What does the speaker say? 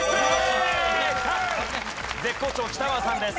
絶好調北川さんです。